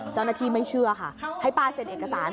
เจ้าหน้าทีไม่เชื่อค่ะให้ป้าเซ็นเอกสาร